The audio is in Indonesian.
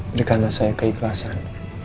berikanlah saya keikhlasan